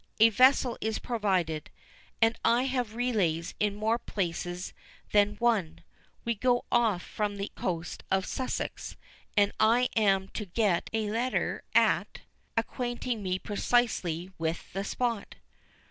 A vessel is provided, and I have relays in more places than one—we go off from the coast of Sussex; and I am to get a letter at ——, acquainting me precisely with the spot."